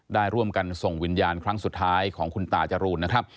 ได้ร่วมกันส่งวิญญาณครั้งสุดท้ายของคุณตาจรูนนะครับ